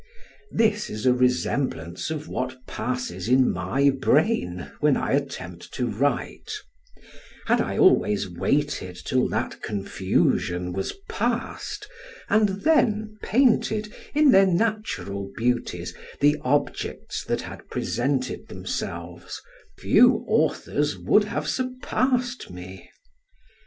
This is a resemblance of what passes in my brain when I attempt to write; had I always waited till that confusion was past, and then painted, in their natural beauties, the objects that had presented themselves, few authors would have surpassed me.